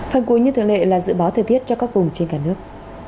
phần cuối như thường lệ là dự báo thời tiết cho các vùng trên cả nước